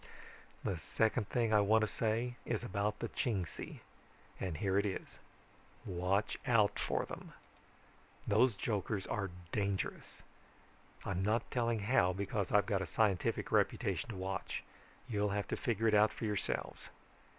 "The second thing I want to say is about the Chingsi, and here it is: watch out for them. Those jokers are dangerous. I'm not telling how because I've got a scientific reputation to watch. You'll have to figure it out for yourselves.